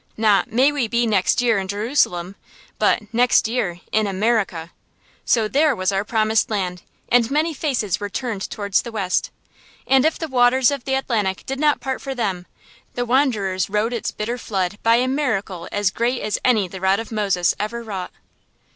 Not "May we be next year in Jerusalem," but "Next year in America!" So there was our promised land, and many faces were turned towards the West. And if the waters of the Atlantic did not part for them, the wanderers rode its bitter flood by a miracle as great as any the rod of Moses ever wrought.